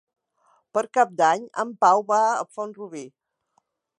Per Cap d'Any en Pau va a Font-rubí.